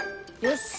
よし。